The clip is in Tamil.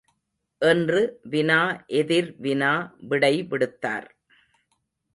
என்று வினா எதிர் வினா விடை விடுத்தார்.